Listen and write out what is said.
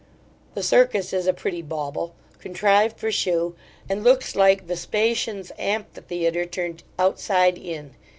The Circus is a pretty bauble, contrived for shew, and looks like Vespasian's amphitheatre turned outside in.